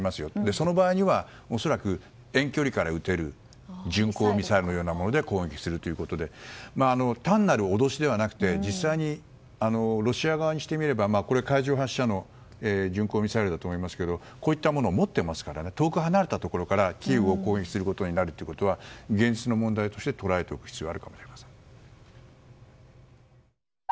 その場合には恐らく遠距離から撃てる巡航ミサイルのようなもので攻撃するということで単なる脅しではなくて実際にロシア側にしてみれば海上発射の巡航ミサイルだと思いますけどこういったもの持っていますから遠く離れたところからキーウを攻撃することになるのは現実の問題として捉えておく必要があると思います。